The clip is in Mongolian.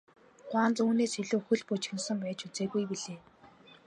Гуанз үүнээс илүү хөл бужигнасан байж үзээгүй билээ.